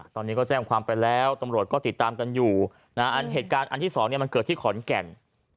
ตอนนี้ก็แจ้งความไปแล้วตลวดก็ติดตามกันอยู่นะครับเหตุการณ์อันที่๒เนี่ยอยู่เกิดมาที่ขอนแก่มนี้